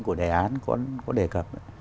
của đề án con có đề cập